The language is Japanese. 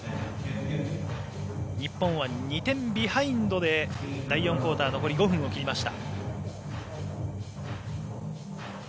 日本は２点ビハインドで第４クオーター残り５分を切りました。